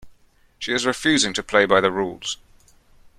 She is refusing to play by the rules.